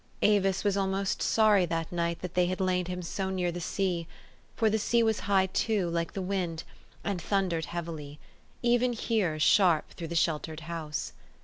Avis was almost sorry that night that they had laid him so near the sea ; for .the sea was high too, like the wind, and thundered heavily, even here, sharp through the sheltered house.